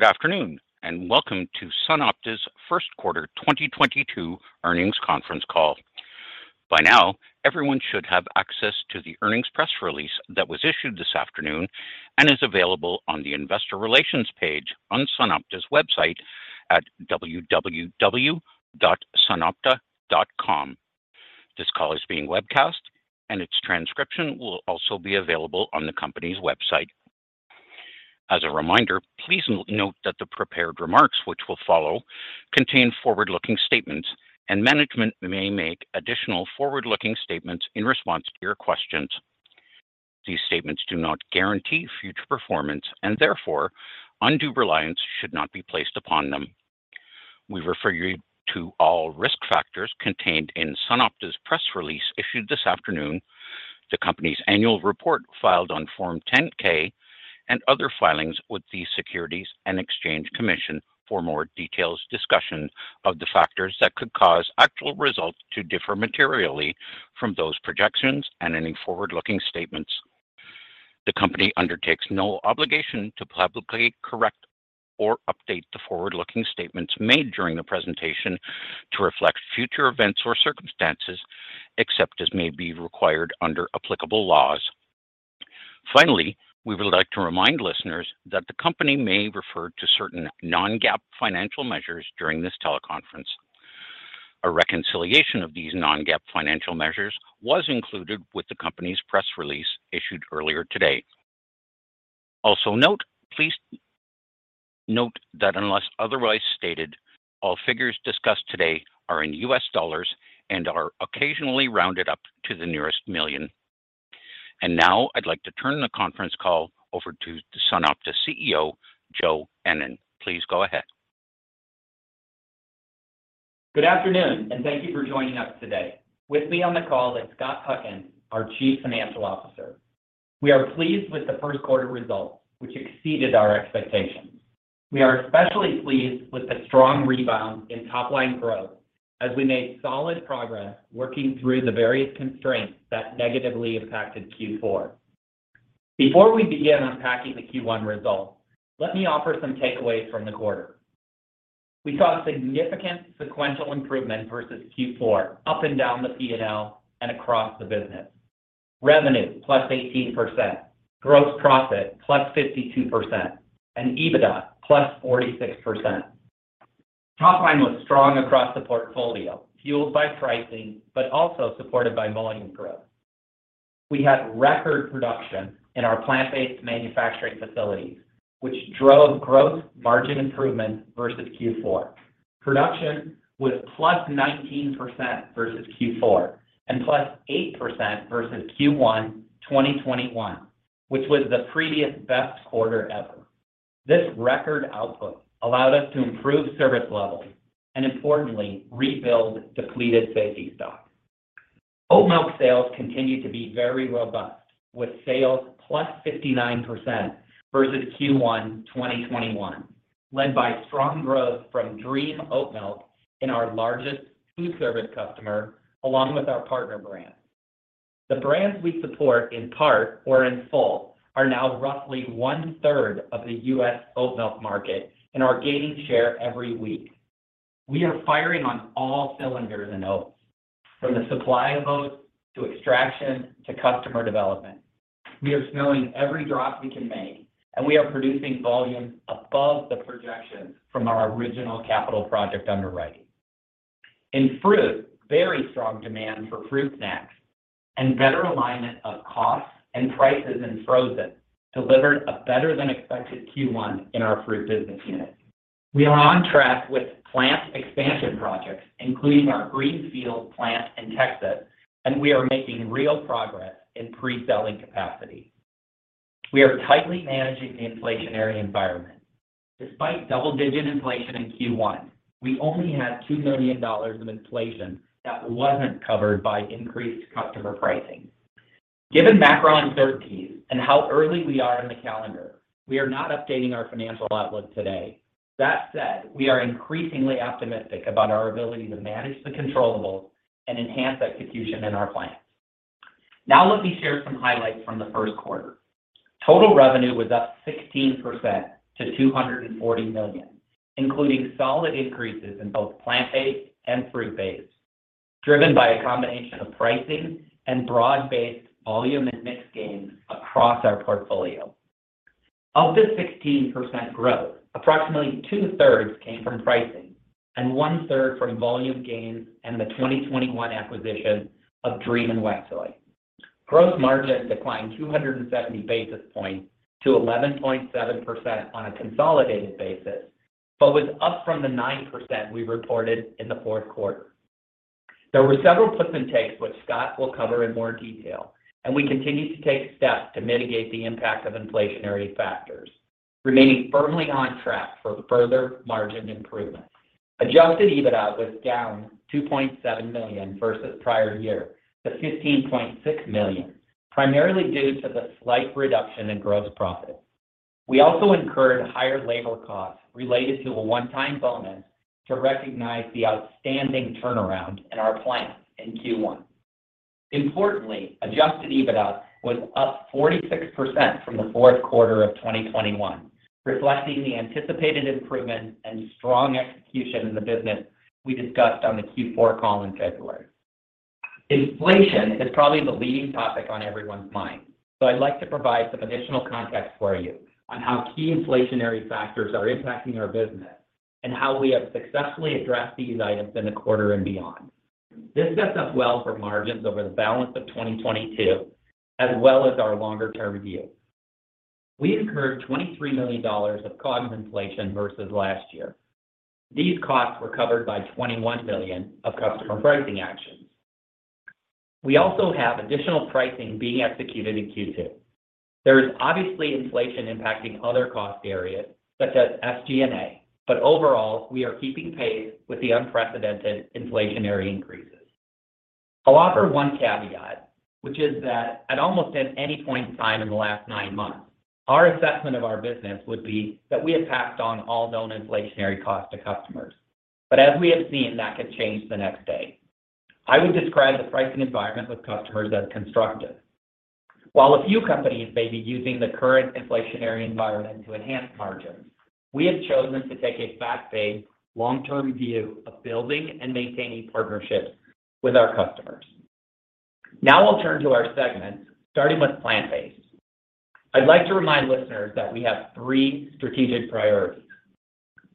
Good afternoon, and welcome to SunOpta's First Quarter 2022 Earnings Conference Call. By now, everyone should have access to the earnings press release that was issued this afternoon and is available on the Investor Relations page on SunOpta's website at www.sunopta.com. This call is being webcast, and its transcription will also be available on the company's website. As a reminder, please note that the prepared remarks which will follow contain forward-looking statements, and management may make additional forward-looking statements in response to your questions. These statements do not guarantee future performance, and therefore, undue reliance should not be placed upon them. We refer you to all risk factors contained in SunOpta's press release issued this afternoon, the company's annual report filed on Form 10-K, and other filings with the Securities and Exchange Commission for a more detailed discussion of the factors that could cause actual results to differ materially from those projections and any forward-looking statements. The company undertakes no obligation to publicly correct or update the forward-looking statements made during the presentation to reflect future events or circumstances except as may be required under applicable laws. Finally, we would like to remind listeners that the company may refer to certain non-GAAP financial measures during this teleconference. A reconciliation of these non-GAAP financial measures was included with the company's press release issued earlier today. Please note that unless otherwise stated, all figures discussed today are in U.S. dollars and are occasionally rounded up to the nearest million. Now I'd like to turn the conference call over to SunOpta CEO, Joe Ennen. Please go ahead. Good afternoon, and thank you for joining us today. With me on the call is Scott Huckins, our Chief Financial Officer. We are pleased with the first quarter results, which exceeded our expectations. We are especially pleased with the strong rebound in top-line growth as we made solid progress working through the various constraints that negatively impacted Q4. Before we begin unpacking the Q1 results, let me offer some takeaways from the quarter. We saw significant sequential improvement versus Q4 up and down the P&L and across the business. Revenue +18%, gross profit +52%, and EBITDA +46%. Top line was strong across the portfolio, fueled by pricing, but also supported by volume growth. We had record production in our plant-based manufacturing facilities, which drove gross margin improvement versus Q4. Production was +19% versus Q4 and +8% versus Q1 2021, which was the previous best quarter ever. This record output allowed us to improve service levels and importantly, rebuild depleted safety stock. Oat milk sales continue to be very robust, with sales +59% versus Q1 2021, led by strong growth from Dream Oatmilk in our largest food service customer, along with our partner brands. The brands we support in part or in full are now roughly 1/3 of the U.S. oat milk market and are gaining share every week. We are firing on all cylinders in oats, from the supply of oats to extraction to customer development. We are squeezing every drop we can make, and we are producing volumes above the projections from our original capital project underwriting. In fruit, very strong demand for fruit snacks and better alignment of costs and prices in frozen delivered a better than expected Q1 in our fruit business unit. We are on track with plant expansion projects, including our greenfield plant in Texas, and we are making real progress in pre-selling capacity. We are tightly managing the inflationary environment. Despite double-digit inflation in Q1, we only had $2 million of inflation that wasn't covered by increased customer pricing. Given macroeconomic uncertainties and how early we are in the calendar, we are not updating our financial outlook today. That said, we are increasingly optimistic about our ability to manage the controllables and enhance execution in our plants. Now let me share some highlights from the first quarter. Total revenue was up 16% to $240 million, including solid increases in both plant-based and fruit-based, driven by a combination of pricing and broad-based volume and mix gains across our portfolio. Of this 16% growth, approximately 2/3 came from pricing and 1/3 from volume gains and the 2021 acquisition of Dream and WestSoy. Gross margin declined 270 basis points to 11.7% on a consolidated basis, but was up from the 9% we reported in the fourth quarter. There were several puts and takes, which Scott will cover in more detail, and we continue to take steps to mitigate the impact of inflationary factors, remaining firmly on track for further margin improvement. Adjusted EBITDA was down $2.7 million versus prior year to $15.6 million, primarily due to the slight reduction in gross profit. We also incurred higher labor costs related to a one-time bonus to recognize the outstanding turnaround in our plants in Q1. Importantly, adjusted EBITDA was up 46% from the fourth quarter of 2021, reflecting the anticipated improvement and strong execution in the business we discussed on the Q4 call in February. Inflation is probably the leading topic on everyone's mind, so I'd like to provide some additional context for you on how key inflationary factors are impacting our business and how we have successfully addressed these items in the quarter and beyond. This sets us well for margins over the balance of 2022, as well as our longer-term view. We incurred $23 million of cost inflation versus last year. These costs were covered by $21 million of customer pricing actions. We also have additional pricing being executed in Q2. There is obviously inflation impacting other cost areas, such as SG&A. Overall, we are keeping pace with the unprecedented inflationary increases. I'll offer one caveat, which is that at almost any point in time in the last nine months, our assessment of our business would be that we have passed on all known inflationary costs to customers. As we have seen, that could change the next day. I would describe the pricing environment with customers as constructive. While a few companies may be using the current inflationary environment to enhance margins, we have chosen to take a fast-paced, long-term view of building and maintaining partnerships with our customers. Now we'll turn to our segments, starting with plant-based. I'd like to remind listeners that we have three strategic priorities.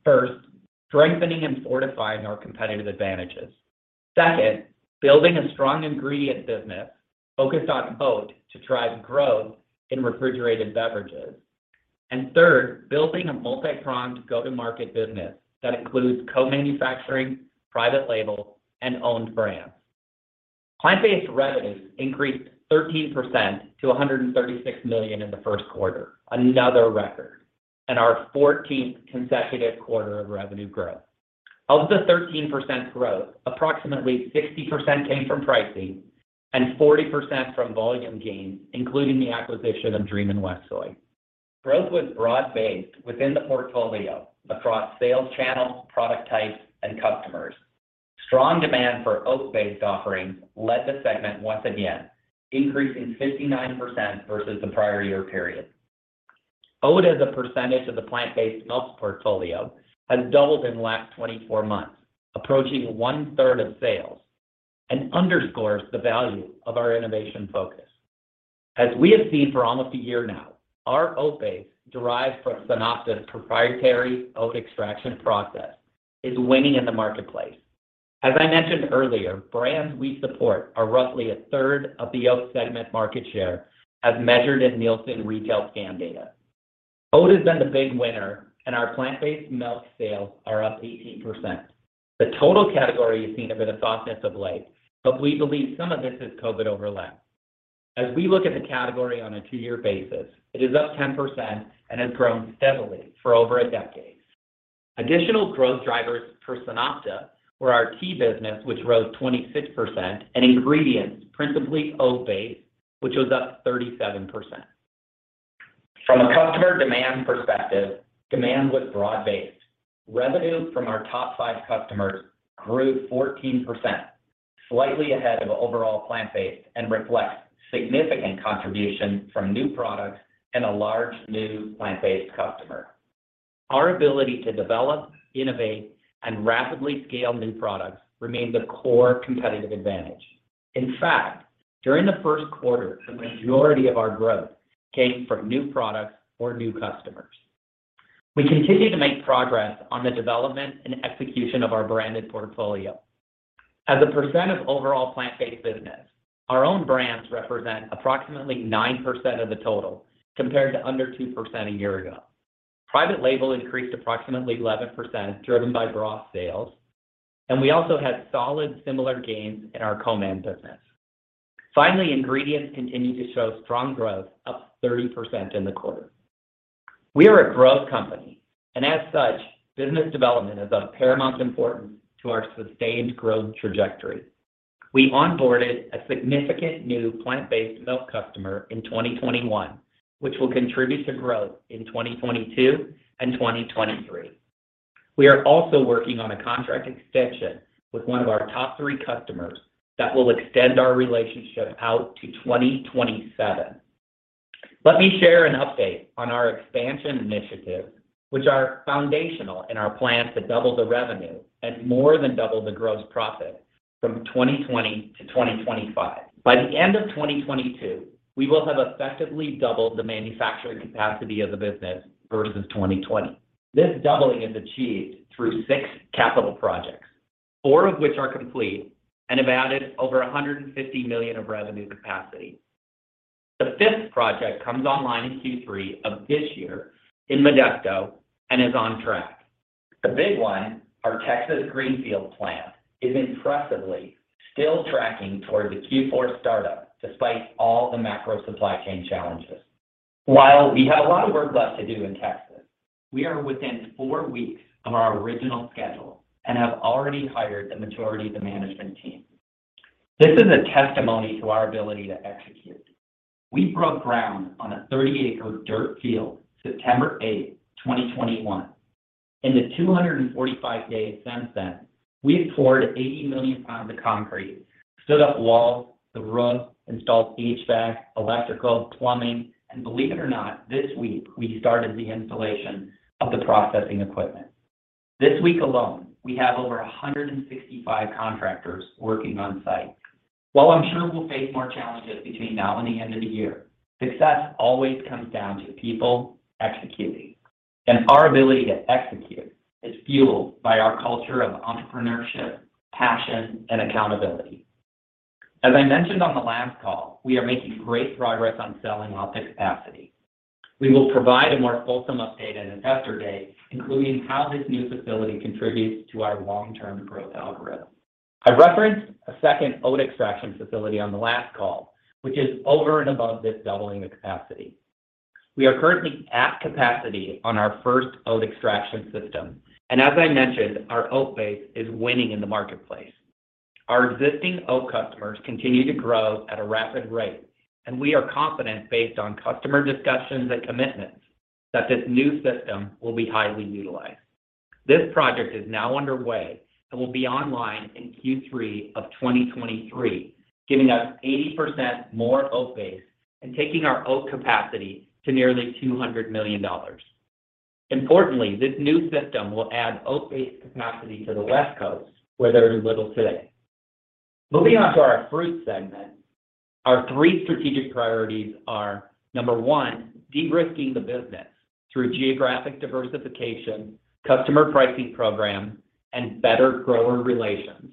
First, strengthening and fortifying our competitive advantages. Second, building a strong ingredient business focused on oat to drive growth in refrigerated beverages. Third, building a multi-pronged go-to-market business that includes co-manufacturing, private label, and owned brands. Plant-based revenues increased 13% to $136 million in the first quarter, another record and our 14th consecutive quarter of revenue growth. Of the 13% growth, approximately 60% came from pricing and 40% from volume gains, including the acquisition of Dream and WestSoy. Growth was broad-based within the portfolio across sales channels, product types, and customers. Strong demand for oat-based offerings led the segment once again, increasing 59% versus the prior year period. Oat, as a percentage of the plant-based milk portfolio, has doubled in the last 24 months, approaching 1/3 of sales and underscores the value of our innovation focus. As we have seen for almost a year now, our oat base, derived from SunOpta's proprietary oat extraction process, is winning in the marketplace. As I mentioned earlier, brands we support are roughly 1/3 of the oat segment market share as measured in Nielsen retail scan data. Oat has been the big winner and our plant-based milk sales are up 18%. The total category has seen a bit of softness of late, but we believe some of this is COVID overlap. As we look at the category on a two-year basis, it is up 10% and has grown steadily for over a decade. Additional growth drivers for SunOpta were our tea business, which rose 26%, and ingredients, principally oat-based, which was up 37%. From a customer demand perspective, demand was broad-based. Revenue from our top five customers grew 14%, slightly ahead of overall plant-based, and reflects significant contribution from new products and a large new plant-based customer. Our ability to develop, innovate, and rapidly scale new products remains a core competitive advantage. In fact, during the first quarter, the majority of our growth came from new products or new customers. We continue to make progress on the development and execution of our branded portfolio. As a percent of overall plant-based business, our own brands represent approximately 9% of the total compared to under 2% a year ago. Private label increased approximately 11%, driven by broth sales, and we also had solid similar gains in our co-brand business. Finally, ingredients continued to show strong growth, up 30% in the quarter. We are a growth company, and as such, business development is of paramount importance to our sustained growth trajectory. We onboarded a significant new plant-based milk customer in 2021, which will contribute to growth in 2022 and 2023. We are also working on a contract extension with one of our top three customers that will extend our relationship out to 2027. Let me share an update on our expansion initiatives, which are foundational in our plan to double the revenue and more than double the gross profit from 2020 to 2025. By the end of 2022, we will have effectively doubled the manufacturing capacity of the business versus 2020. This doubling is achieved through six capital projects, four of which are complete and have added over $150 million of revenue capacity. The fifth project comes online in Q3 of this year in Modesto and is on track. The big one, our Texas greenfield plant, is impressively still tracking toward the Q4 startup despite all the macro supply chain challenges. While we have a lot of work left to do in Texas, we are within four weeks of our original schedule and have already hired the majority of the management team. This is a testimony to our ability to execute. We broke ground on a 30-acre dirt field September 8, 2021. In the 245 days since then, we've poured 80 million pounds of concrete, stood up walls, the roof, installed HVAC, electrical, plumbing, and believe it or not, this week we started the installation of the processing equipment. This week alone, we have over 165 contractors working on site. While I'm sure we'll face more challenges between now and the end of the year, success always comes down to people executing, and our ability to execute is fueled by our culture of entrepreneurship, passion, and accountability. As I mentioned on the last call, we are making great progress on selling off excess capacity. We will provide a more fulsome update at Investor Day, including how this new facility contributes to our long-term growth algorithm. I referenced a second oat extraction facility on the last call, which is over and above this doubling the capacity. We are currently at capacity on our first oat extraction system. As I mentioned, our oat base is winning in the marketplace. Our existing oat customers continue to grow at a rapid rate, and we are confident based on customer discussions and commitments that this new system will be highly utilized. This project is now underway and will be online in Q3 of 2023, giving us 80% more oat base and taking our oat capacity to nearly $200 million. Importantly, this new system will add oat-based capacity to the West Coast, where there is little today. Moving on to our fruit segment, our three strategic priorities are, number one, de-risking the business through geographic diversification, customer pricing program, and better grower relations.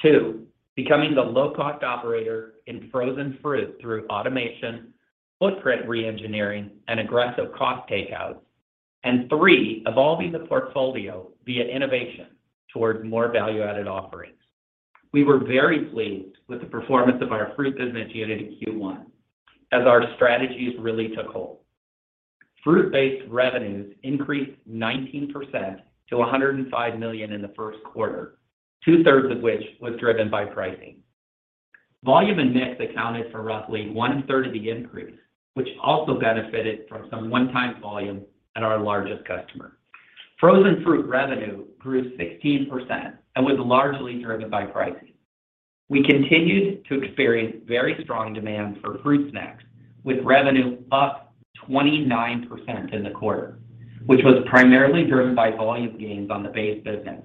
Two, becoming the low-cost operator in frozen fruit through automation, footprint reengineering, and aggressive cost takeouts. And three, evolving the portfolio via innovation toward more value-added offerings. We were very pleased with the performance of our fruit business unit in Q1 as our strategies really took hold. Fruit-based revenues increased 19% to $105 million in the first quarter, 2/3 of which was driven by pricing. Volume and mix accounted for roughly 1/3 of the increase, which also benefited from some one-time volume at our largest customer. Frozen fruit revenue grew 16% and was largely driven by pricing. We continued to experience very strong demand for fruit snacks with revenue up 29% in the quarter, which was primarily driven by volume gains on the base business.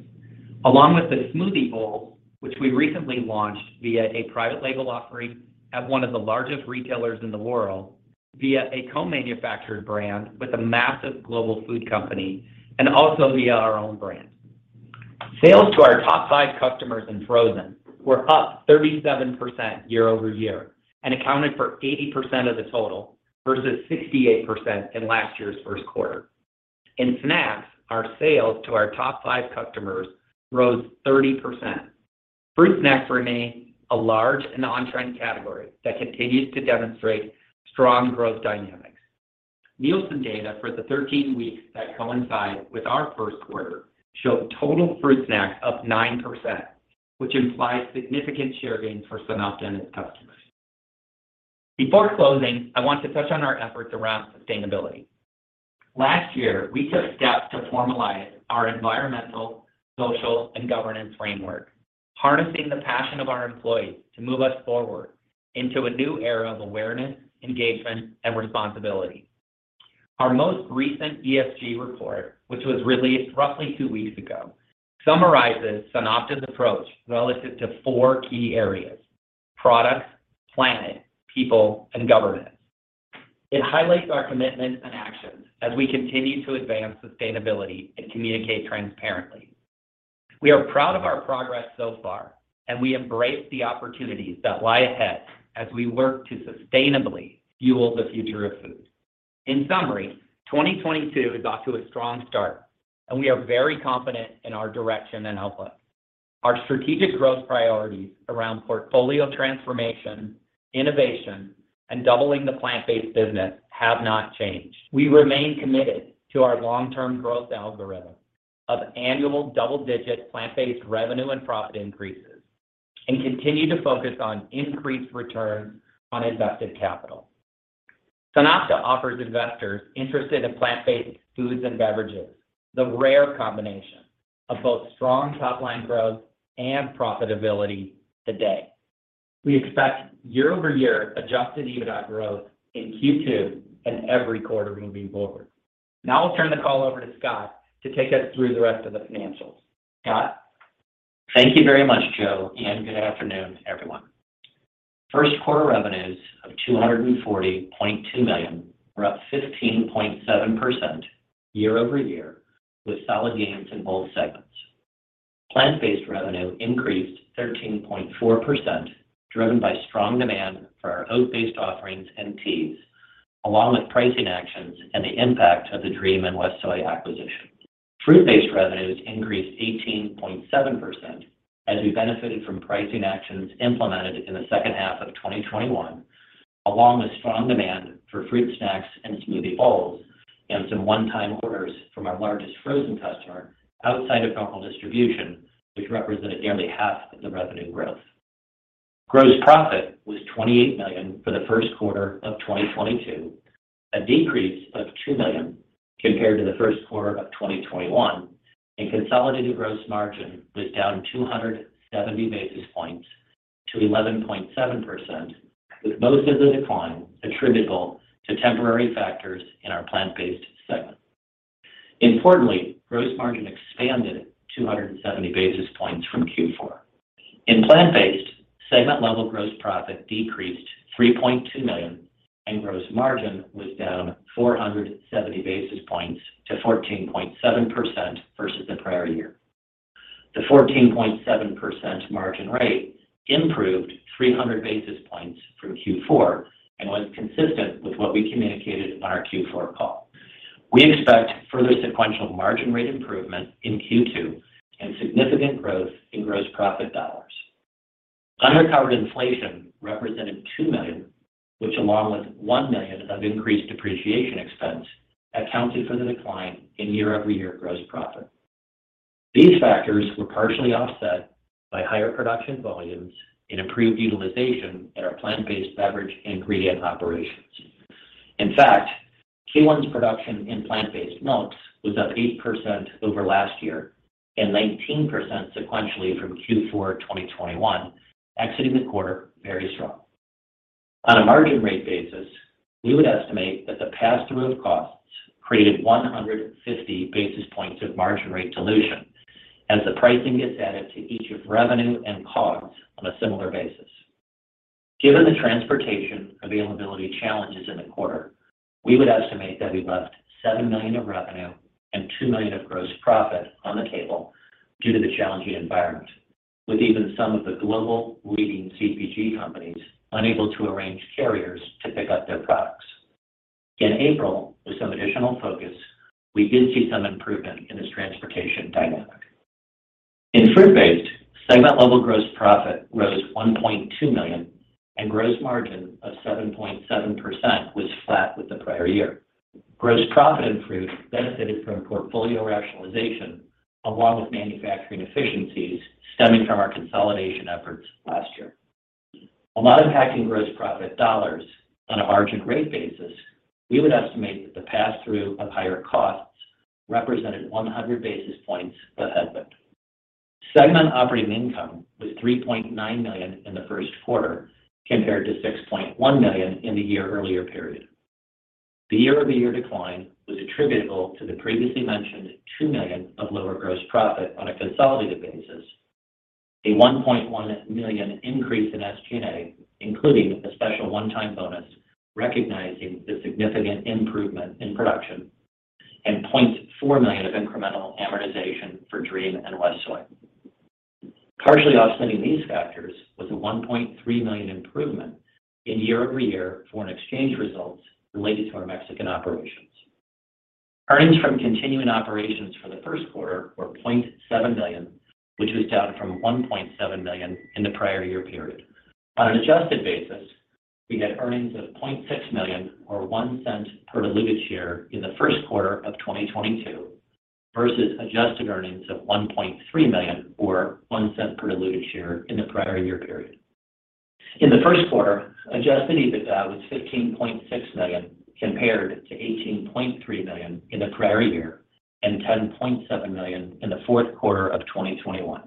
Along with the smoothie bowls, which we recently launched via a private label offering at one of the largest retailers in the world via a co-manufactured brand with a massive global food company and also via our own brand. Sales to our top five customers in frozen were up 37% year-over-year and accounted for 80% of the total versus 68% in last year's first quarter. In snacks, our sales to our top five customers rose 30%. Fruit snacks remain a large and on-trend category that continues to demonstrate strong growth dynamics. Nielsen data for the 13 weeks that coincide with our first quarter showed total fruit snacks up 9%, which implies significant share gains for SunOpta and its customers. Before closing, I want to touch on our efforts around sustainability. Last year, we took steps to formalize our environmental, social, and governance framework, harnessing the passion of our employees to move us forward into a new era of awareness, engagement, and responsibility. Our most recent ESG report, which was released roughly two weeks ago, summarizes SunOpta's approach relative to four key areas, products, planet, people, and governance. It highlights our commitment and actions as we continue to advance sustainability and communicate transparently. We are proud of our progress so far, and we embrace the opportunities that lie ahead as we work to sustainably fuel the future of food. In summary, 2022 is off to a strong start, and we are very confident in our direction and outlook. Our strategic growth priorities around portfolio transformation, innovation, and doubling the plant-based business have not changed. We remain committed to our long-term growth algorithm of annual double-digit plant-based revenue and profit increases and continue to focus on increased returns on invested capital. SunOpta offers investors interested in plant-based foods and beverages the rare combination of both strong top-line growth and profitability today. We expect year-over-year adjusted EBITDA growth in Q2 and every quarter moving forward. Now I'll turn the call over to Scott to take us through the rest of the financials. Scott? Thank you very much, Joe, and good afternoon, everyone. First quarter revenues of $240.2 million were up 15.7% year-over-year with solid gains in both segments. Plant-based revenue increased 13.4%, driven by strong demand for our oat-based offerings and teas, along with pricing actions and the impact of the Dream and WestSoy acquisition. Fruit-based revenues increased 18.7% as we benefited from pricing actions implemented in the second half of 2021, along with strong demand for fruit snacks and smoothie bowls and some one-time orders from our largest frozen customer outside of normal distribution, which represented nearly half of the revenue growth. Gross profit was $28 million for the first quarter of 2022, a decrease of $2 million compared to the first quarter of 2021, and consolidated gross margin was down 270 basis points to 11.7%, with most of the decline attributable to temporary factors in our plant-based segment. Importantly, gross margin expanded 270 basis points from Q4. In plant-based, segment level gross profit decreased $3.2 million, and gross margin was down 470 basis points to 14.7% versus the prior year. The 14.7% margin rate improved 300 basis points from Q4 and was consistent with what we communicated on our Q4 call. We expect further sequential margin rate improvement in Q2 and significant growth in gross profit dollars. Undercovered inflation represented $2 million, which along with $1 million of increased depreciation expense, accounted for the decline in year-over-year gross profit. These factors were partially offset by higher production volumes and improved utilization at our plant-based beverage ingredient operations. In fact, Q1's production in plant-based milks was up 8% over last year and 19% sequentially from Q4 2021, exiting the quarter very strong. On a margin rate basis, we would estimate that the pass-through of costs created 150 basis points of margin rate dilution as the pricing gets added to each of revenue and COGS on a similar basis. Given the transportation availability challenges in the quarter, we would estimate that we left $7 million of revenue and $2 million of gross profit on the table due to the challenging environment, with even some of the global leading CPG companies unable to arrange carriers to pick up their products. In April, with some additional focus, we did see some improvement in this transportation dynamic. In fruit-based, segment level gross profit rose $1.2 million, and gross margin of 7.7% was flat with the prior year. Gross profit in fruit benefited from portfolio rationalization along with manufacturing efficiencies stemming from our consolidation efforts last year. While not impacting gross profit dollars on a margin rate basis, we would estimate that the pass-through of higher costs represented 100 basis points of headwind. Segment operating income was $3.9 million in the first quarter compared to $6.1 million in the year earlier period. The year-over-year decline was attributable to the previously mentioned $2 million of lower gross profit on a consolidated basis, a $1.1 million increase in SG&A, including a special one-time bonus recognizing the significant improvement in production, and $0.4 million of incremental amortization for Dream and WestSoy. Partially offsetting these factors was a $1.3 million improvement in year-over-year foreign exchange results related to our Mexican operations. Earnings from continuing operations for the first quarter were $0.7 million, which was down from $1.7 million in the prior year period. On an adjusted basis, we had earnings of $0.6 million or $0.01 per diluted share in the first quarter of 2022 versus adjusted earnings of $1.3 million or $0.01 per diluted share in the prior year period. In the first quarter, adjusted EBITDA was $15.6 million compared to $18.3 million in the prior year and $10.7 million in the fourth quarter of 2021.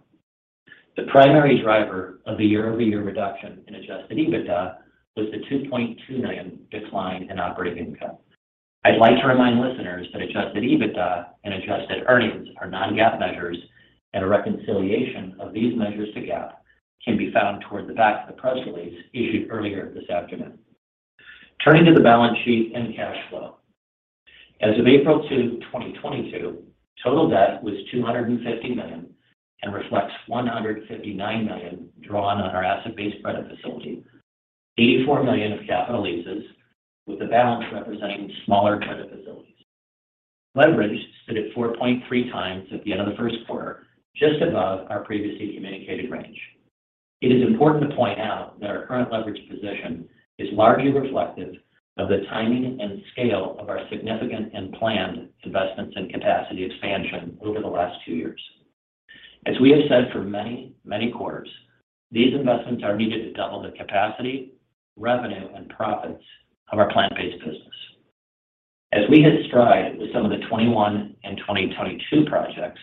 The primary driver of the year-over-year reduction in adjusted EBITDA was the $2.2 million decline in operating income. I'd like to remind listeners that adjusted EBITDA and adjusted earnings are non-GAAP measures, and a reconciliation of these measures to GAAP can be found toward the back of the press release issued earlier this afternoon. Turning to the balance sheet and cash flow. As of April 2, 2022, total debt was $250 million and reflects $159 million drawn on our asset-based credit facility, $84 million of capital leases, with the balance representing smaller credit facilities. Leverage stood at 4.3x at the end of the first quarter, just above our previously communicated range. It is important to point out that our current leverage position is largely reflective of the timing and scale of our significant and planned investments in capacity expansion over the last two years. As we have said for many, many quarters, these investments are needed to double the capacity, revenue, and profits of our plant-based business. As we hit stride with some of the 2021 and 2022 projects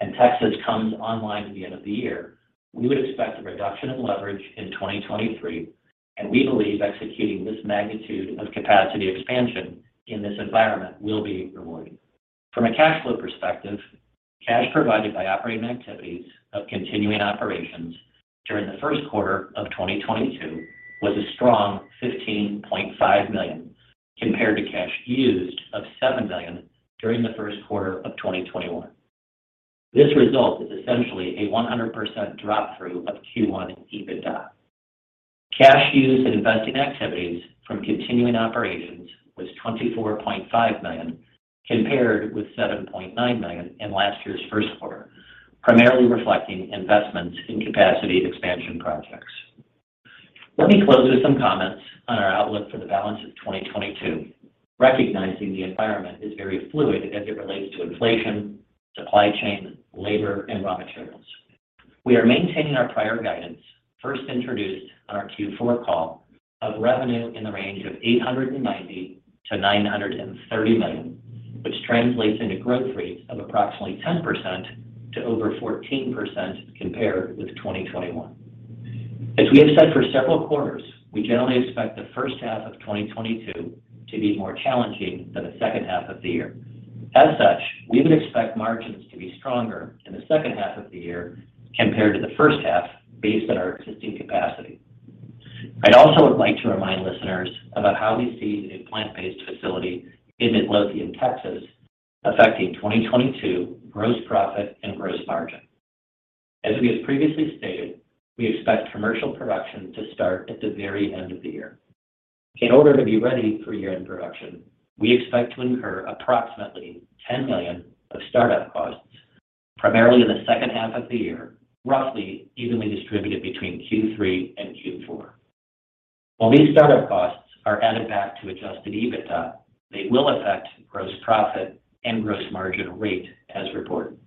and Texas comes online at the end of the year, we would expect a reduction in leverage in 2023, and we believe executing this magnitude of capacity expansion in this environment will be rewarding. From a cash flow perspective, cash provided by operating activities of continuing operations during the first quarter of 2022 was a strong $15.5 million compared to cash used of $7 million during the first quarter of 2021. This result is essentially a 100% drop-through of Q1 EBITDA. Cash used in investing activities from continuing operations was $24.5 million compared with $7.9 million in last year's first quarter, primarily reflecting investments in capacity expansion projects. Let me close with some comments on our outlook for the balance of 2022, recognizing the environment is very fluid as it relates to inflation, supply chain, labor, and raw materials. We are maintaining our prior guidance, first introduced on our Q4 call, of revenue in the range of $890 million-$930 million, which translates into growth rates of approximately 10% to over 14% compared with 2021. As we have said for several quarters, we generally expect the first half of 2022 to be more challenging than the second half of the year. As such, we would expect margins to be stronger in the second half of the year compared to the first half based on our existing capacity. I'd also like to remind listeners about how we see the plant-based facility in Midlothian, Texas, affecting 2022 gross profit and gross margin. As we have previously stated, we expect commercial production to start at the very end of the year. In order to be ready for year-end production, we expect to incur approximately $10 million of startup costs, primarily in the second half of the year, roughly evenly distributed between Q3 and Q4. While these startup costs are added back to adjusted EBITDA, they will affect gross profit and gross margin rate as reported.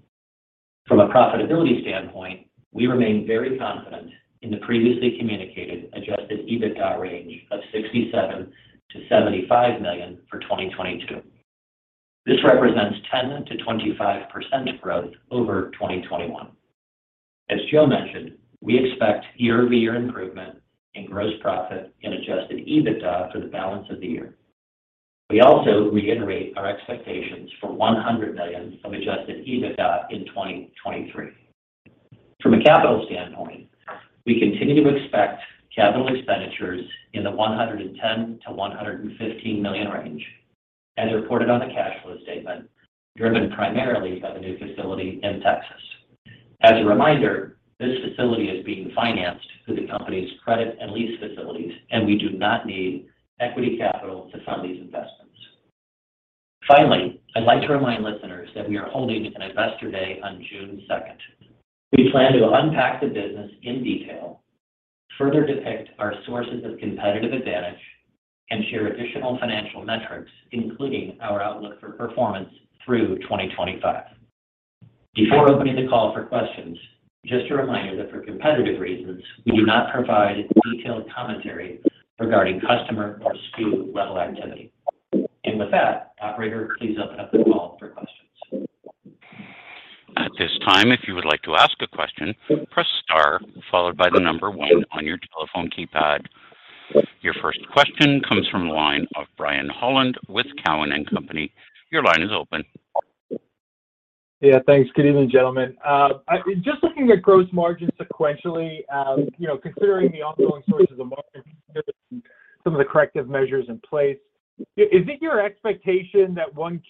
From a profitability standpoint, we remain very confident in the previously communicated adjusted EBITDA range of $67 million-$75 million for 2022. This represents 10%-25% growth over 2021. As Joe mentioned, we expect year-over-year improvement in gross profit and adjusted EBITDA for the balance of the year. We also reiterate our expectations for $100 million of adjusted EBITDA in 2023. From a capital standpoint, we continue to expect capital expenditures in the $110 million-$115 million range as reported on the cash flow statement, driven primarily by the new facility in Texas. As a reminder, this facility is being financed through the company's credit and lease facilities, and we do not need equity capital to fund these investments. Finally, I'd like to remind listeners that we are holding an Investor Day on June second. We plan to unpack the business in detail, further depict our sources of competitive advantage, and share additional financial metrics, including our outlook for performance through 2025. Before opening the call for questions, just a reminder that for competitive reasons, we do not provide detailed commentary regarding customer or SKU-level activity. With that, operator, please open up the call for questions. At this time, if you would like to ask a question, press star followed by the number one on your telephone keypad. Your first question comes from the line of Brian Holland with Cowen and Company. Your line is open. Yeah, thanks. Good evening, gentlemen. Just looking at gross margin sequentially, you know, considering the ongoing sources of margin, some of the corrective measures in place, is it your expectation that Q1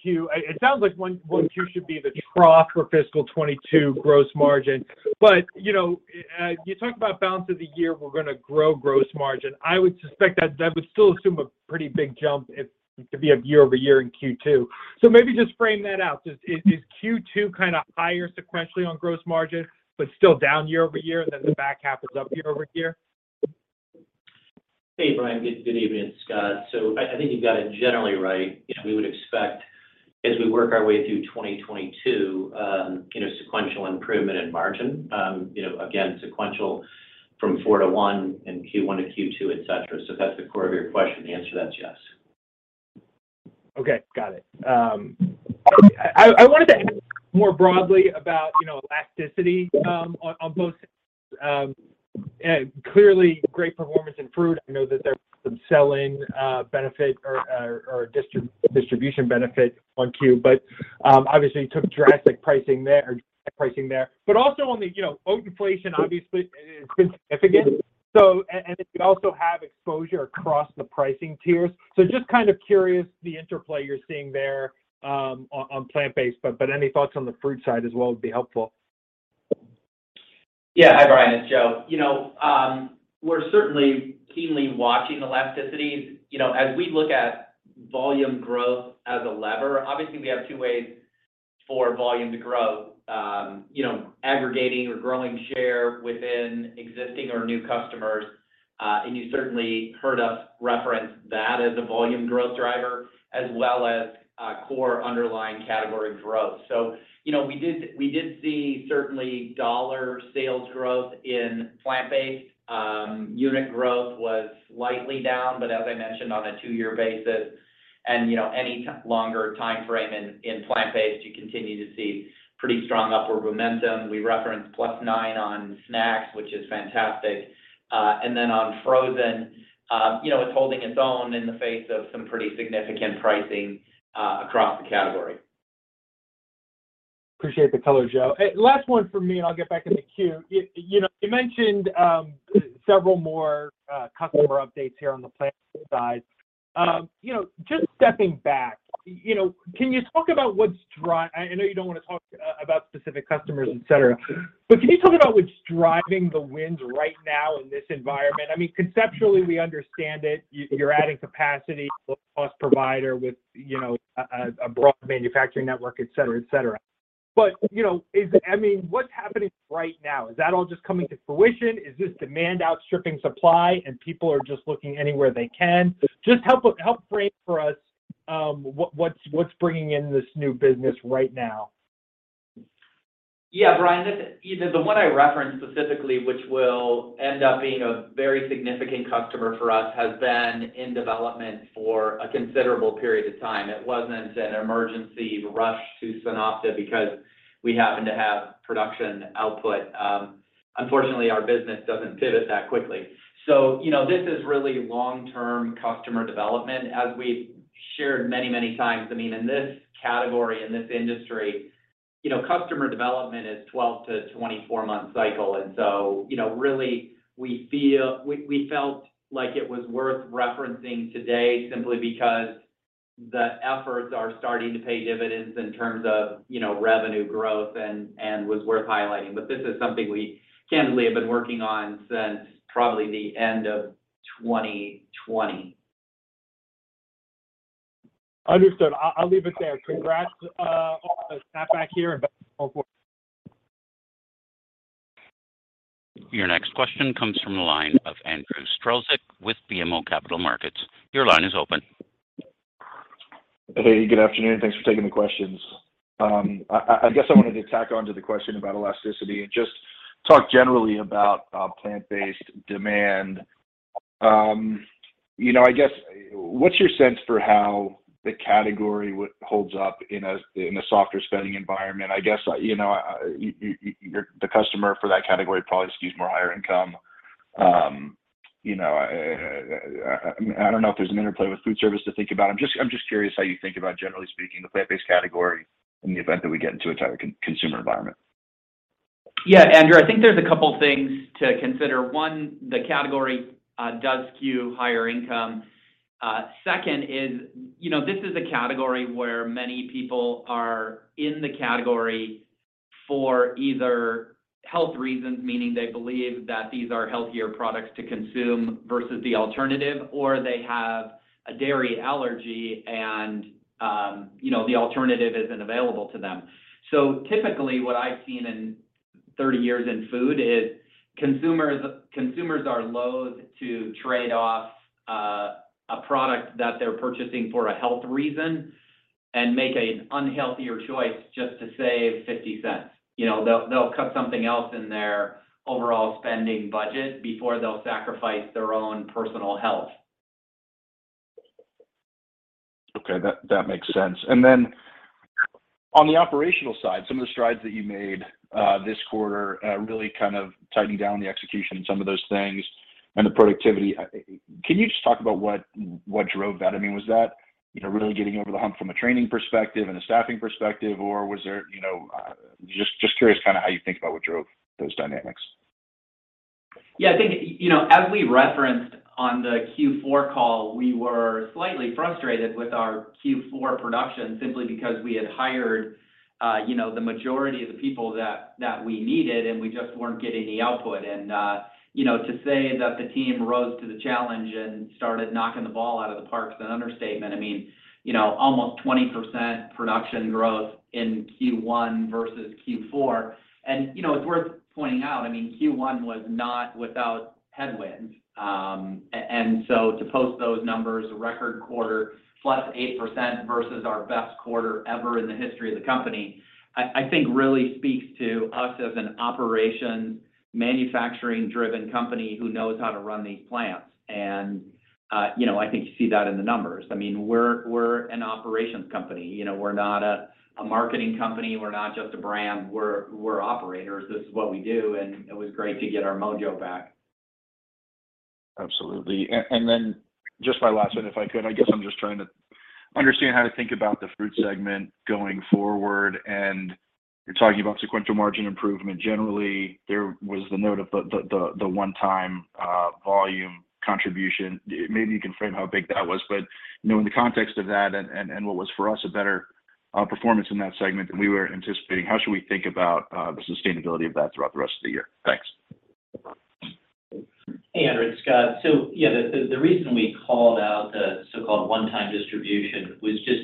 sounds like Q1 should be the trough for fiscal 2022 gross margin. You know, you talked about balance of the year, we're gonna grow gross margin. I would suspect that would still assume a pretty big jump if it could be year-over-year in Q2. Maybe just frame that out. Is Q2 kind of higher sequentially on gross margin but still down year-over-year, and then the back half is up year-over-year? Hey, Brian. Good evening. It's Scott. I think you've got it generally right. You know, we would expect as we work our way through 2022, you know, sequential improvement in margin. You know, again, sequential from Q4 to Q1 in Q1 to Q2, et cetera. If that's the core of your question, the answer to that is yes. Okay. Got it. I wanted to ask more broadly about, you know, elasticity on both. Clearly great performance in fruit. I know that there's some selling benefit or distribution benefit on Q. But obviously took drastic pricing there, but also on the, you know, oat inflation obviously is significant. And you also have exposure across the pricing tiers. So just kind of curious the interplay you're seeing there on plant-based, but any thoughts on the fruit side as well would be helpful. Yeah. Hi, Brian. It's Joe. You know, we're certainly keenly watching elasticities. You know, as we look at volume growth as a lever, obviously we have two ways for volume to grow. You know, aggregating or growing share within existing or new customers, and you certainly heard us reference that as a volume growth driver, as well as core underlying category growth. You know, we did see certainly dollar sales growth in plant-based. Unit growth was slightly down, but as I mentioned on a two-year basis, and you know, any longer timeframe in plant-based, you continue to see pretty strong upward momentum. We referenced +9% on snacks, which is fantastic. On frozen, you know, it's holding its own in the face of some pretty significant pricing across the category. Appreciate the color, Joe. Last one for me, and I'll get back in the queue. You know, you mentioned several more customer updates here on the plant side. You know, just stepping back, you know, I know you don't wanna talk about specific customers, et cetera. Can you talk about what's driving the win right now in this environment? I mean, conceptually, we understand it. You're adding capacity, low-cost provider with a broad manufacturing network, et cetera, et cetera. You know, I mean, what's happening right now? Is that all just coming to fruition? Is this demand outstripping supply, and people are just looking anywhere they can? Just help frame for us, what's bringing in this new business right now? Yeah, Brian, this either the one I referenced specifically, which will end up being a very significant customer for us, has been in development for a considerable period of time. It wasn't an emergency rush to SunOpta because we happen to have production output. Unfortunately, our business doesn't pivot that quickly. So, you know, this is really long-term customer development. As we've shared many, many times, I mean, in this category, in this industry, you know, customer development is 12-24-month cycle. You know, really we felt like it was worth referencing today simply because the efforts are starting to pay dividends in terms of, you know, revenue growth and was worth highlighting. This is something we candidly have been working on since probably the end of 2020. Understood. I'll leave it there. Congrats on the snapback here and best going forward. Your next question comes from the line of Andrew Strelzik with BMO Capital Markets. Your line is open. Hey, good afternoon. Thanks for taking the questions. I guess I wanted to tack on to the question about elasticity and just talk generally about plant-based demand. You know, I guess what's your sense for how the category would hold up in a softer spending environment? I guess, you know, you're the customer for that category probably skews more higher income. You know, I don't know if there's an interplay with food service to think about. I'm just curious how you think about, generally speaking, the plant-based category in the event that we get into a tighter consumer environment. Yeah, Andrew, I think there's a couple things to consider. One, the category does skew higher income. Second is, you know, this is a category where many people are in the category for either health reasons, meaning they believe that these are healthier products to consume versus the alternative, or they have a dairy allergy and, you know, the alternative isn't available to them. So typically what I've seen in 30 years in food is consumers are loathe to trade off a product that they're purchasing for a health reason and make an unhealthier choice just to save $0.50. You know, they'll cut something else in their overall spending budget before they'll sacrifice their own personal health. Okay. That makes sense. On the operational side, some of the strides that you made this quarter really kind of tightening down the execution in some of those things and the productivity. Can you just talk about what drove that? I mean, was that, you know, really getting over the hump from a training perspective and a staffing perspective, or was there, you know. Just curious kinda how you think about what drove those dynamics. Yeah, I think, you know, as we referenced on the Q4 call, we were slightly frustrated with our Q4 production simply because we had hired, you know, the majority of the people that we needed, and we just weren't getting the output. You know, to say that the team rose to the challenge and started knocking the ball out of the park is an understatement. I mean, you know, almost 20% production growth in Q1 versus Q4. You know, it's worth pointing out, I mean, Q1 was not without headwinds. To post those numbers, a record quarter, +8% versus our best quarter ever in the history of the company, I think really speaks to us as an operation, manufacturing-driven company who knows how to run these plants. You know, I think you see that in the numbers. I mean, we're an operations company. You know, we're not a marketing company. We're not just a brand. We're operators. This is what we do, and it was great to get our mojo back. Absolutely. And then just my last one, if I could. I guess I'm just trying to understand how to think about the fruit segment going forward, and you're talking about sequential margin improvement. Generally, there was the note of the one-time volume contribution. Maybe you can frame how big that was. You know, in the context of that and what was for us a better performance in that segment than we were anticipating, how should we think about the sustainability of that throughout the rest of the year? Thanks. Hey, Andrew, it's Scott. Yeah, the reason we called out the so-called one-time distribution was just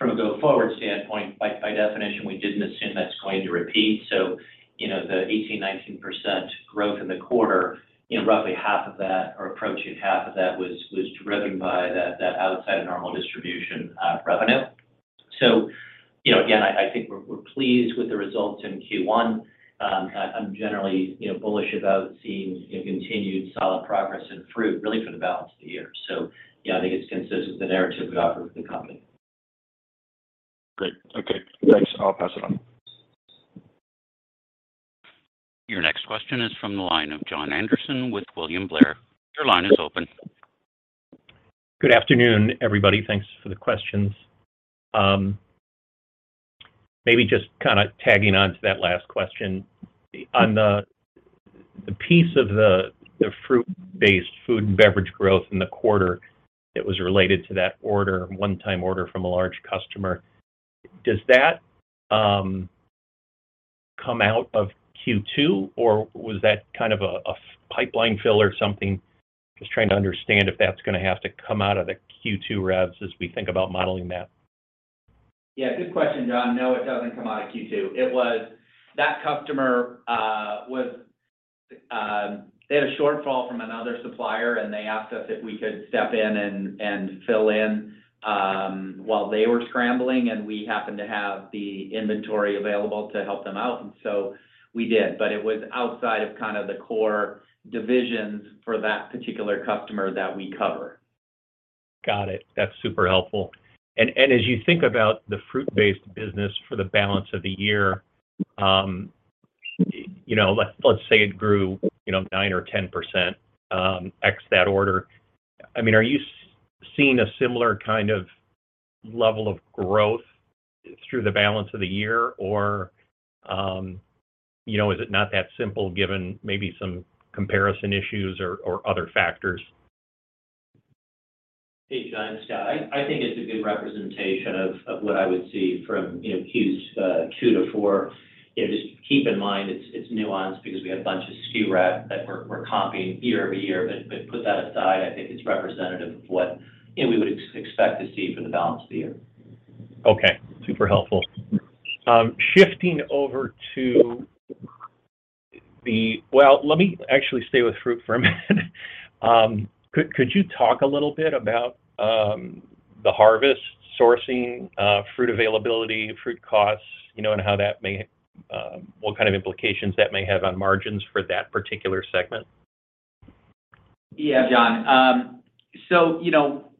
from a go-forward standpoint. By definition, we didn't assume that's going to repeat. You know, the 18%-19% growth in the quarter, you know, roughly half of that or approaching half of that was driven by that outside of normal distribution revenue. You know, again, I think we're pleased with the results in Q1. I'm generally, you know, bullish about seeing continued solid progress in fruit really for the balance of the year. You know, I think it's consistent with the narrative we offer with the company. Great. Okay. Thanks. I'll pass it on. Your next question is from the line of Jon Andersen with William Blair. Your line is open. Good afternoon, everybody. Thanks for the questions. Maybe just kinda tagging on to that last question. On the piece of the fruit-based food and beverage growth in the quarter that was related to that order, one-time order from a large customer, does that come out of Q2 or was that kind of a pipeline fill or something? Just trying to understand if that's gonna have to come out of the Q2 revs as we think about modeling that. Yeah, good question, Jon. No, it doesn't come out of Q2. It was that customer. They had a shortfall from another supplier, and they asked us if we could step in and fill in while they were scrambling, and we happened to have the inventory available to help them out. We did, but it was outside of kind of the core divisions for that particular customer that we cover. Got it. That's super helpful. As you think about the fruit-based business for the balance of the year, you know, let's say it grew, you know, 9% or 10%, ex that order. I mean, are you seeing a similar kind of level of growth through the balance of the year or, you know, is it not that simple given maybe some comparison issues or other factors? Hey, Jon, it's Scott. I think it's a good representation of what I would see from, you know, Q2-Q4. You know, just keep in mind it's nuanced because we have a bunch of SKU resets that we're comping year over year. Put that aside, I think it's representative of what, you know, we would expect to see for the balance of the year. Okay. Super helpful. Well, let me actually stay with fruit for a minute. Could you talk a little bit about the harvest sourcing, fruit availability, fruit costs, you know, and how that may, what kind of implications that may have on margins for that particular segment? Yeah, Jon. So you know,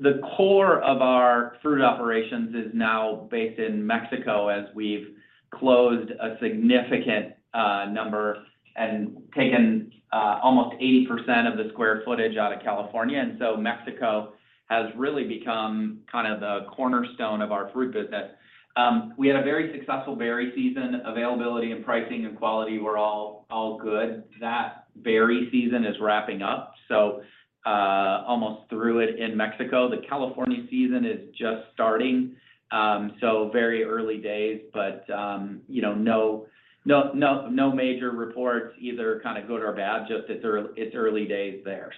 the core of our fruit operations is now based in Mexico as we've closed a significant number and taken almost 80% of the square footage out of California. Mexico has really become kind of the cornerstone of our fruit business. We had a very successful berry season. Availability and pricing and quality were all good. That berry season is wrapping up, so almost through it in Mexico. The California season is just starting, so very early days. You know, no major reports either kinda good or bad, just it's early days there.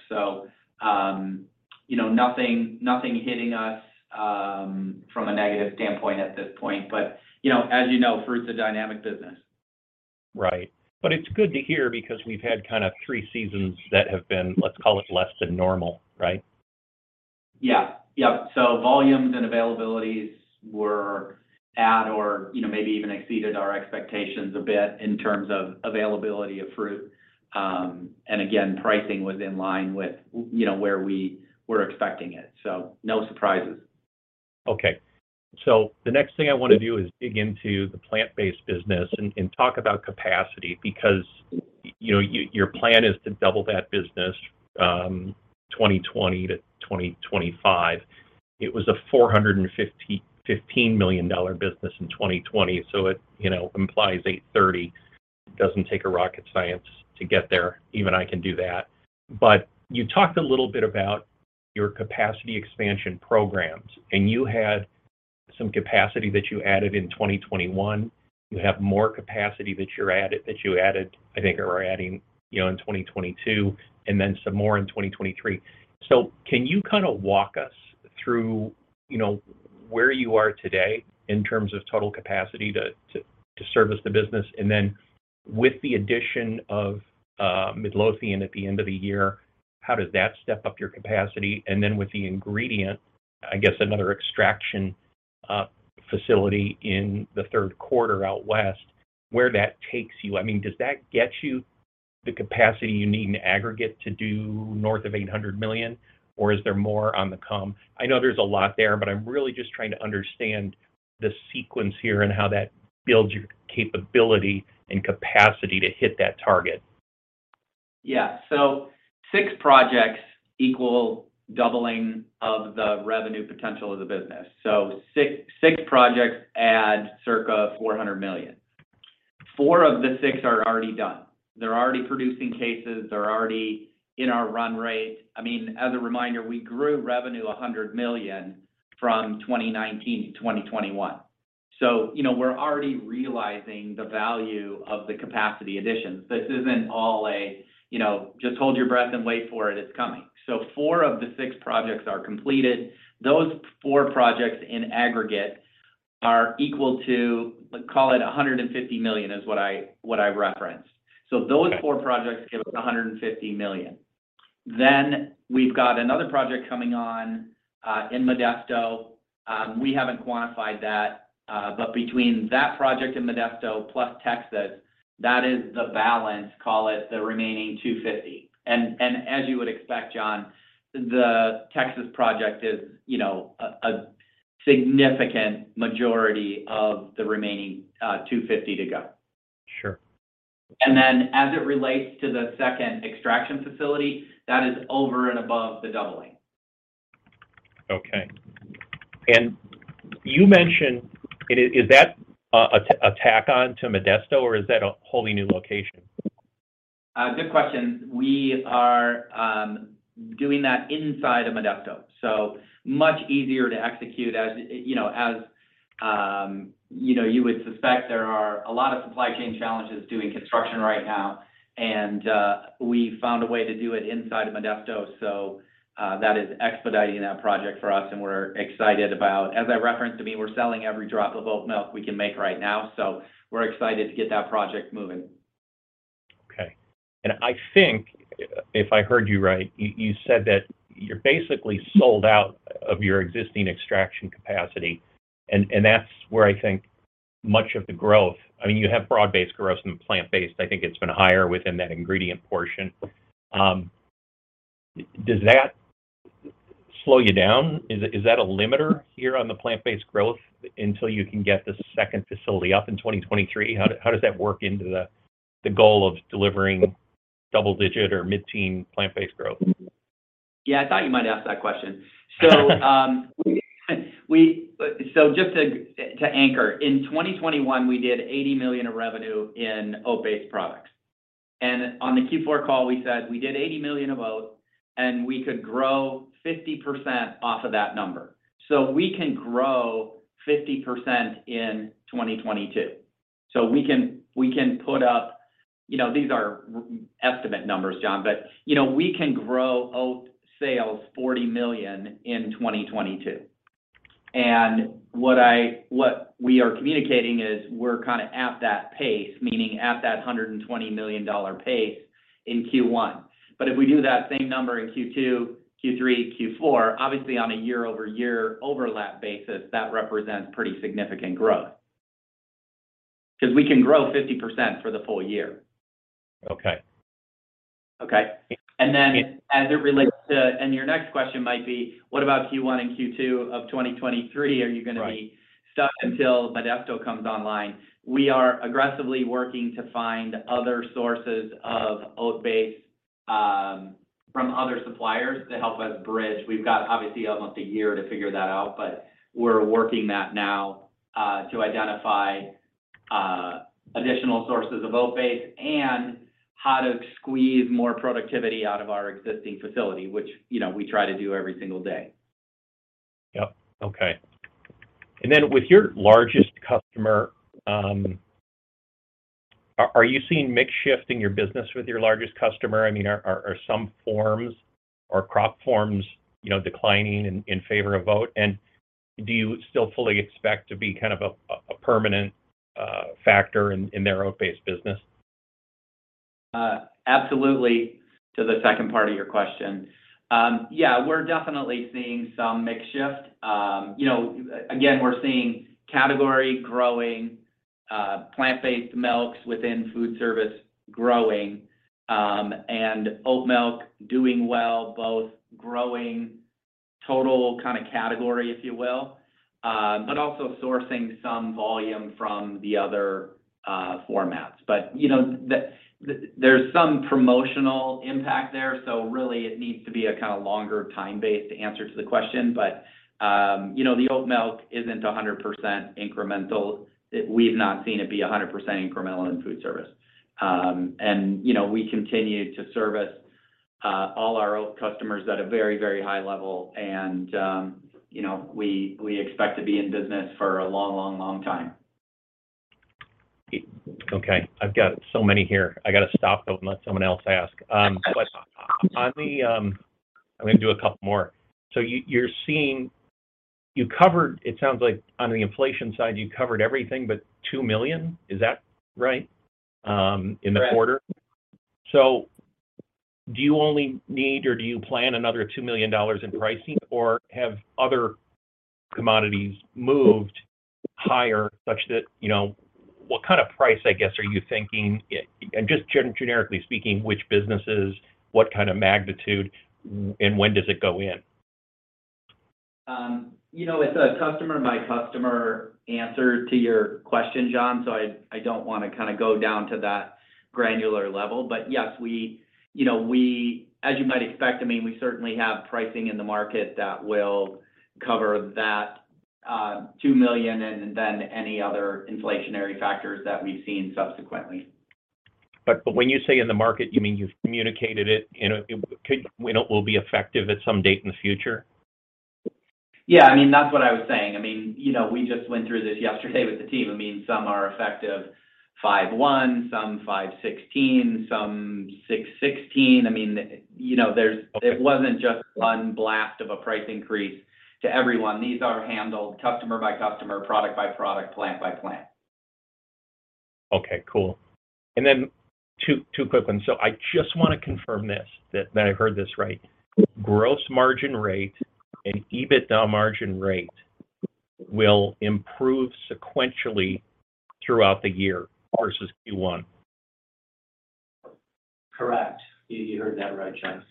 You know, nothing hitting us from a negative standpoint at this point. You know, as you know, fruit's a dynamic business. Right. It's good to hear because we've had kinda three seasons that have been, let's call it less than normal, right? Yeah. Yep. Volumes and availabilities were at or, you know, maybe even exceeded our expectations a bit in terms of availability of fruit. Again, pricing was in line with, you know, where we were expecting it. No surprises. Okay. The next thing I want to do is dig into the plant-based business and talk about capacity because your plan is to double that business 2020 to 2025. It was a $415 million business in 2020, so it implies $830 million. Doesn't take a rocket scientist to get there. Even I can do that. But you talked a little bit about your capacity expansion programs, and you had some capacity that you added in 2021. You have more capacity that you added, I think, or are adding in 2022 and then some more in 2023. Can you walk us through where you are today in terms of total capacity to service the business? With the addition of Midlothian at the end of the year, how does that step up your capacity? With the ingredient, I guess another extraction facility in the third quarter out west, where that takes you. I mean, does that get you the capacity you need in aggregate to do north of $800 million, or is there more on the come? I know there's a lot there, but I'm really just trying to understand the sequence here and how that builds your capability and capacity to hit that target. Yeah. Six projects equal doubling of the revenue potential of the business. Six projects add circa $400 million. 4 of the 6 are already done. They're already producing cases. They're already in our run rate. I mean, as a reminder, we grew revenue $100 million from 2019 to 2021. You know, we're already realizing the value of the capacity additions. This isn't all, you know, just hold your breath and wait for it's coming. 4 of the 6 projects are completed. Those 4 projects in aggregate are equal to, let's call it $150 million, is what I referenced. Those 4 projects give us $150 million. Then we've got another project coming on in Modesto. We haven't quantified that, but between that project in Modesto plus Texas, that is the balance, call it the remaining $250. As you would expect, Jon, the Texas project is, you know, a significant majority of the remaining $250 to go. Sure. As it relates to the second extraction facility, that is over and above the doubling. Okay. You mentioned, is that a tack on to Modesto or is that a wholly new location? Good question. We are doing that inside of Modesto. Much easier to execute, as you know, you would suspect there are a lot of supply chain challenges doing construction right now. We found a way to do it inside of Modesto, so that is expediting that project for us and we're excited about. As I referenced, I mean, we're selling every drop of oat milk we can make right now, so we're excited to get that project moving. Okay. I think if I heard you right, you said that you're basically sold out of your existing extraction capacity. That's where I think much of the growth. I mean, you have broad-based growth in plant-based. I think it's been higher within that ingredient portion. Does that slow you down? Is that a limiter here on the plant-based growth until you can get the second facility up in 2023? How does that work into the goal of delivering double-digit or mid-teen plant-based growth? Yeah, I thought you might ask that question. Just to anchor, in 2021 we did $80 million of revenue in oat-based products. On the Q4 call we said we did $80 million of oat, and we could grow 50% off of that number. We can grow 50% in 2022. We can put up. You know, these are estimated numbers, Jon, but, you know, we can grow oat sales $40 million in 2022. What we are communicating is we're kind of at that pace, meaning at that $120 million pace in Q1. If we do that same number in Q2, Q3, Q4, obviously on a year-over-year overlap basis, that represents pretty significant growth because we can grow 50% for the full year. Okay. Okay? Your next question might be, what about Q1 and Q2 of 2023? Right. Are you gonna be stuck until Modesto comes online? We are aggressively working to find other sources of oat-based from other suppliers to help us bridge. We've got obviously almost a year to figure that out, but we're working on that now to identify additional sources of oat-based and how to squeeze more productivity out of our existing facility, which, you know, we try to do every single day. Yep. Okay. With your largest customer, are you seeing mix shift in your business with your largest customer? I mean, are some forms or crop forms, you know, declining in favor of oat? Do you still fully expect to be kind of a permanent factor in their oat-based business? Absolutely to the second part of your question. Yeah, we're definitely seeing some mix shift. You know, again, we're seeing category growing, plant-based milks within food service growing, and oat milk doing well, both growing total kind of category, if you will, but also sourcing some volume from the other formats. You know, there's some promotional impact there, so really it needs to be a kinda longer time-based answer to the question. You know, the oat milk isn't 100% incremental. We've not seen it be 100% incremental in food service. You know, we continue to service all our oat customers at a very, very high level and you know we expect to be in business for a long, long, long time. Okay. I've got so many here. I gotta stop though and let someone else ask. I'm gonna do a couple more. You covered, it sounds like on the inflation side, you covered everything but $2 million. Is that right, in the quarter? Right. Do you only need or do you plan another $2 million in pricing or have other commodities moved higher such that, you know, what kind of price, I guess, are you thinking? And just generically speaking, which businesses, what kind of magnitude, and when does it go in? You know, it's a customer by customer answer to your question, Jon, so I don't wanna kinda go down to that granular level. Yes, we, you know, we as you might expect, I mean, we certainly have pricing in the market that will cover that $2 million and then any other inflationary factors that we've seen subsequently. When you say in the market, you mean you've communicated it and it will be effective at some date in the future? Yeah. I mean, that's what I was saying. I mean, you know, we just went through this yesterday with the team. I mean, some are effective 5/1, some 5/16, some 6/16. I mean, you know, there's. Okay. It wasn't just one blast of a price increase to everyone. These are handled customer by customer, product by product, plant by plant. Okay, cool. Then two quick ones. I just wanna confirm this, that I've heard this right. Gross margin rate and EBITDA margin rate will improve sequentially throughout the year versus Q1. Correct. You heard that right, Jon.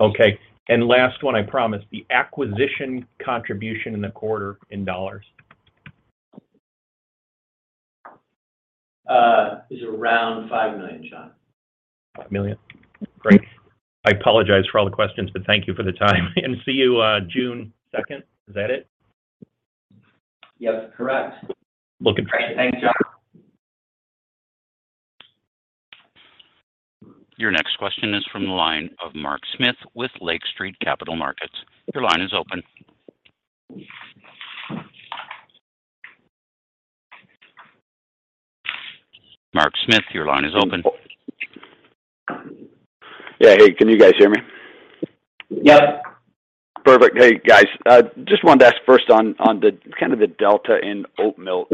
Okay. Last one, I promise. The acquisition contribution in the quarter in dollars. is around $5 million, Jon. $5 million? Great. I apologize for all the questions, but thank you for the time and see you June 2nd. Is that it? Yes, correct. Looking great. Thanks, Jon. Your next question is from the line of Mark Smith with Lake Street Capital Markets. Your line is open. Mark Smith, your line is open. Yeah. Hey, can you guys hear me? Yep. Perfect. Hey, guys. I just wanted to ask first on the kind of the delta in oat milk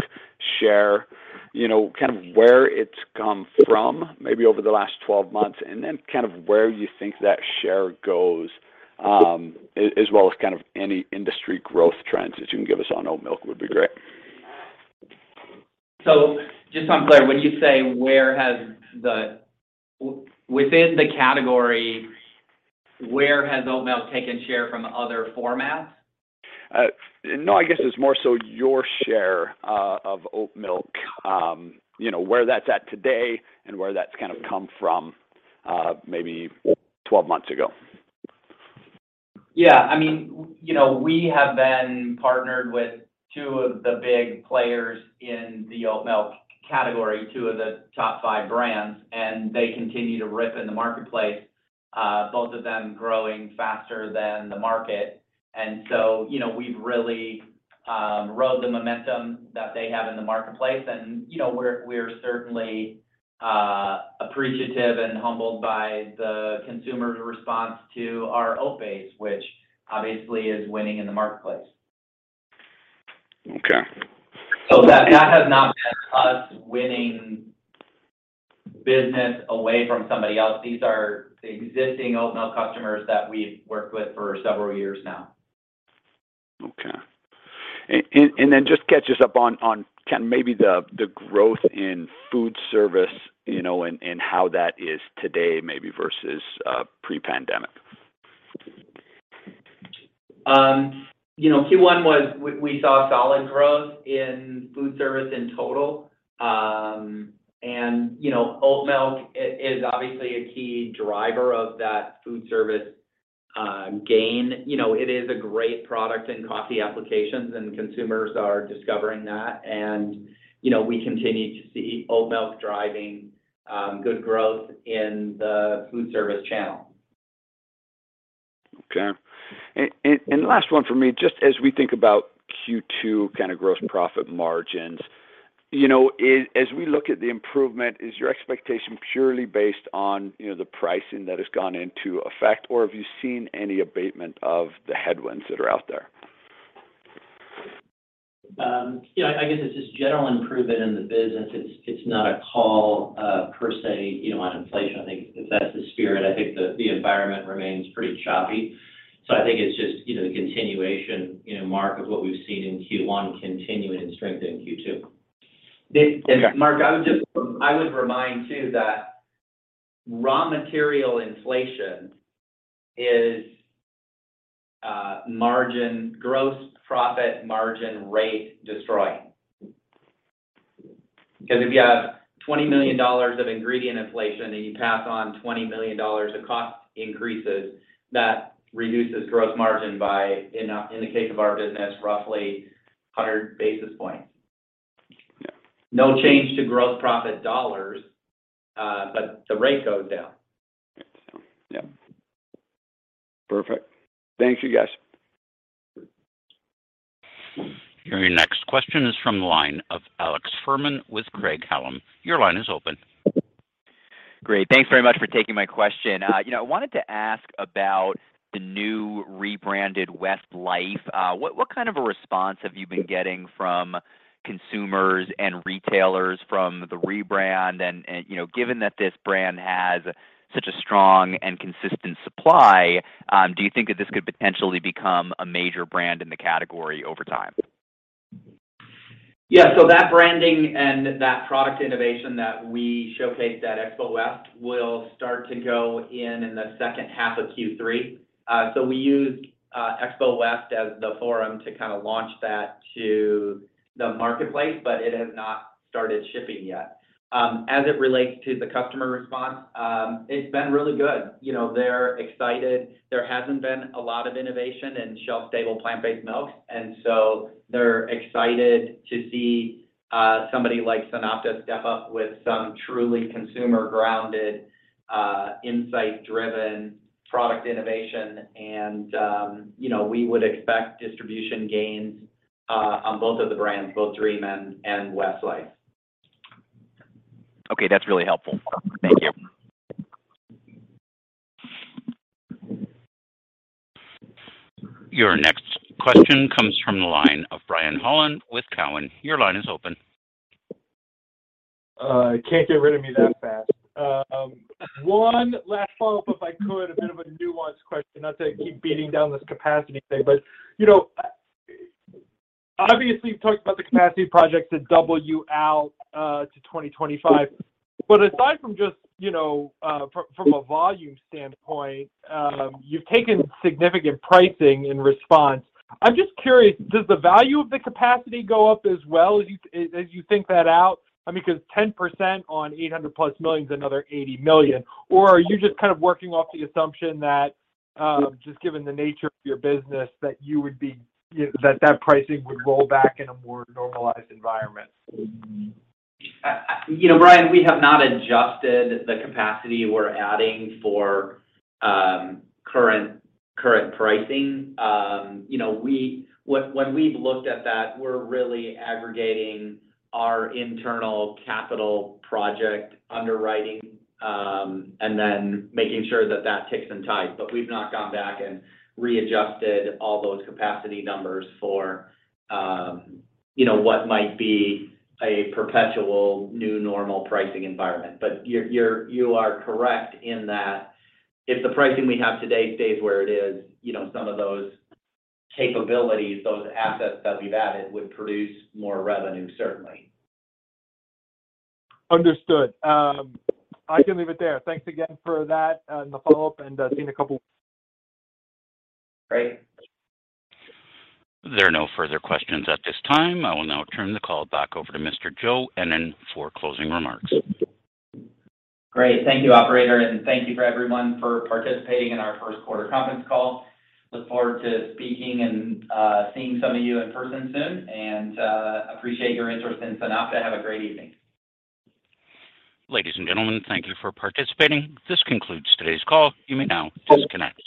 share, you know, kind of where it's come from maybe over the last 12 months, and then kind of where you think that share goes, as well as kind of any industry growth trends that you can give us on oat milk would be great. Just so I'm clear, when you say within the category, where has oat milk taken share from other formats? No, I guess it's more so your share of oat milk, you know, where that's at today and where that's kind of come from, maybe past 12 months ago. Yeah, I mean, you know, we have been partnered with two of the big players in the oat milk category, two of the top five brands, and they continue to rip in the marketplace, both of them growing faster than the market. You know, we've really, rode the momentum that they have in the marketplace and, you know, we're certainly, appreciative and humbled by the consumer's response to our oat base, which obviously is winning in the marketplace. Okay. That has not been us winning business away from somebody else. These are existing oat milk customers that we've worked with for several years now. Okay. Just catch us up on kind of maybe the growth in food service, you know, and how that is today maybe versus pre-pandemic. You know, we saw solid growth in food service in total. You know, oat milk is obviously a key driver of that food service gain. You know, it is a great product in coffee applications, and consumers are discovering that. You know, we continue to see oat milk driving good growth in the food service channel. Last one for me, just as we think about Q2 kind of gross profit margins, you know, as we look at the improvement, is your expectation purely based on, you know, the pricing that has gone into effect, or have you seen any abatement of the headwinds that are out there? You know, I guess it's just general improvement in the business. It's not a call, per se, you know, on inflation. I think if that's the spirit, I think the environment remains pretty choppy. I think it's just, you know, the continuation, you know, Mark, of what we've seen in Q1 continuing to strengthen Q2. Okay. Mark, I would remind too that raw material inflation is margin-destroying, gross profit margin rate-destroying. Because if you have $20 million of ingredient inflation and you pass on $20 million of cost increases, that reduces gross margin by, in the case of our business, roughly 100 basis points. Yeah. No change to gross profit dollars, but the rate goes down. Yeah. Perfect. Thank you, guys. Your next question is from the line of Alex Fuhrman with Craig-Hallum. Your line is open. Great. Thanks very much for taking my question. You know, I wanted to ask about the new rebranded West Life. What kind of a response have you been getting from consumers and retailers from the rebrand? You know, given that this brand has such a strong and consistent supply, do you think that this could potentially become a major brand in the category over time? Yeah. That branding and that product innovation that we showcase at Expo West will start to go in the second half of Q3. We used Expo West as the forum to kind of launch that to the marketplace, but it has not started shipping yet. As it relates to the customer response, it's been really good. You know, they're excited. There hasn't been a lot of innovation in shelf-stable plant-based milk, and so they're excited to see somebody like SunOpta step up with some truly consumer-grounded, insight-driven product innovation. You know, we would expect distribution gains on both of the brands, both Dream and West Life. Okay. That's really helpful. Thank you. Your next question comes from the line of Brian Holland with Cowen. Your line is open. Can't get rid of me that fast. One last follow-up, if I could. A bit of a nuanced question, not to keep beating down this capacity thing. You know, obviously, you've talked about the capacity projects that double you out to 2025. Aside from just, you know, from a volume standpoint, you've taken significant pricing in response. I'm just curious, does the value of the capacity go up as well as you think that out? I mean, because 10% on $800+ million is another $80 million. Or are you just kind of working off the assumption that, just given the nature of your business, that you would be, you know, that pricing would roll back in a more normalized environment? You know, Brian, we have not adjusted the capacity we're adding for current pricing. You know, when we've looked at that, we're really aggregating our internal capital project underwriting, and then making sure that that ticks and ties. We've not gone back and readjusted all those capacity numbers for you know, what might be a perpetual new normal pricing environment. You are correct in that if the pricing we have today stays where it is, you know, some of those capabilities, those assets that we've added would produce more revenue, certainly. Understood. I can leave it there. Thanks again for that, and the follow-up. Great. There are no further questions at this time. I will now turn the call back over to Mr. Joe Ennen for closing remarks. Great. Thank you, operator, and thank you for everyone for participating in our first quarter conference call. Look forward to speaking and, seeing some of you in person soon, and, appreciate your interest in SunOpta. Have a great evening. Ladies and gentlemen, thank you for participating. This concludes today's call. You may now disconnect.